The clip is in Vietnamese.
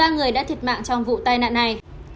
một mươi ba người đã thiệt mạng trong vụ tai nạn này